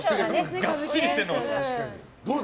がっしりしてるのかと。